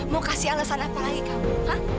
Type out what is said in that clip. mau kasih alasan apa lagi kamu